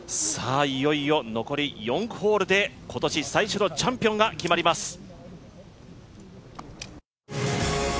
いよいよ残り４ホールで今年最初のチャンピオンが決まります。